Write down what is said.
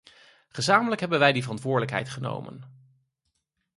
Gezamenlijk hebben wij die verantwoordelijkheid genomen.